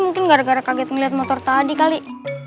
mungkin karena read motor tadi kali